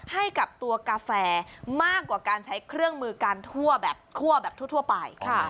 ให้กับตัวกาแฟมากกว่าการใช้เครื่องมือการทั่วแบบทั่วแบบทั่วไป